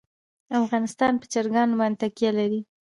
افغانستان په چرګان باندې تکیه لري.